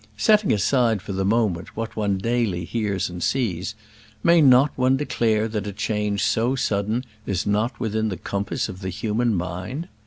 Setting aside for the moment what one daily hears and sees, may not one declare that a change so sudden is not within the compass of the human mind?